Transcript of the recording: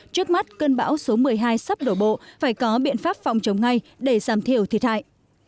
trước mắt cơn bão số một mươi hai sắp đổ bộ phải có biện pháp phòng chống ngay để giảm thiểu thiệt hại